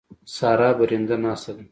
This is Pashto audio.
سارا برنده ناسته ده.